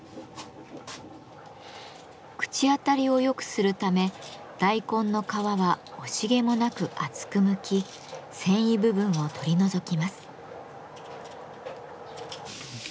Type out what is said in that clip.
口当たりをよくするため大根の皮は惜しげもなく厚くむき繊維部分を取り除きます。